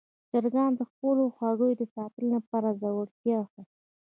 چرګان د خپلو هګیو د ساتنې لپاره زړورتیا ښيي.